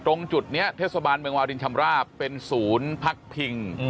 ตรงจุดนี้เทศบาลเมืองวาลินชำราบเป็นศูนย์พักพิง